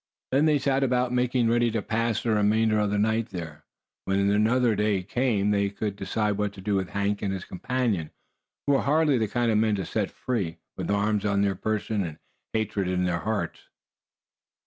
Then they set about making ready to pass the remainder of the night there. When another day came they could decide what to do with Hank and his companion, who were hardly the kind of men to set free, with arms on their person, and hatred in their hearts.